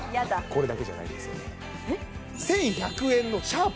これだけじゃないんですよえっ？